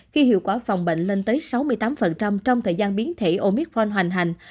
khi hiệu quả phòng bệnh lên tới sáu mươi tám trong thời gian biến thể omitron hoành hành